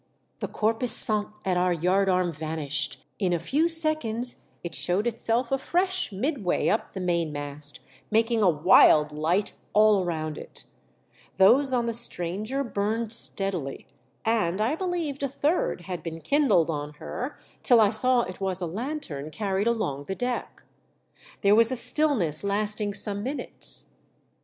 The corptis sant at our yard arm vanished ; In a few seconds it showed itself afresh mid way up the mainmast, making a wild light all around it ; those on the stranger burned steadily, and I believed a third had been kindled on her till I saw it was a lanthorn carried along the deck. There was a still ness lasting some minutes.